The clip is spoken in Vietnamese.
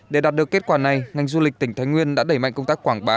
để đạt được kết quả này ngành du lịch tỉnh thái nguyên đã đẩy mạnh công tác quảng bá